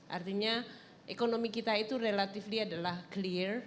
artinya ekonomi kita itu relatively adalah clear